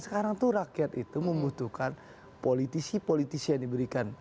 sekarang tuh rakyat itu membutuhkan politisi politisi yang diberikan